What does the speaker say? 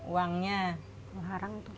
uangnya nggak ada